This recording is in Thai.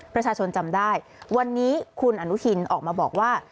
ประชาชนจำได้วันนี้คุณอนุทินออกมาบอกว่า